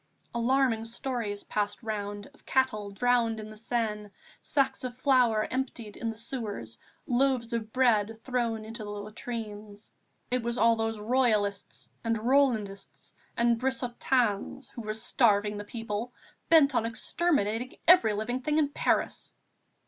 Alarming stories passed round of cattle drowned in the Seine, sacks of flour emptied in the sewers, loaves of bread thrown into the latrines.... It was all those Royalists, and Rolandists, and Brissotins, who were starving the people, bent on exterminating every living thing in Paris!